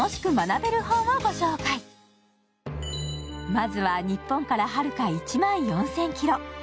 まずは、日本からはるか１万４０００ｋｍ。